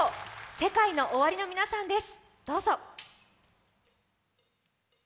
ＳＥＫＡＩＮＯＯＷＡＲＩの皆さんです。